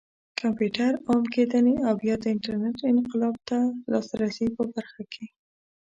کمپيوټر عام کېدنې او بيا د انټرنټ انقلاب ته د لاسرسي په برخه کې